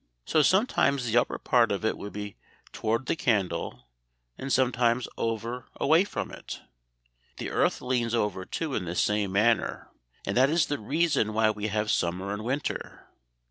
So sometimes the upper part of it would be over toward the candle, and sometimes over away from it. The earth leans over too in this same manner; and that is the reason why we have summer and winter.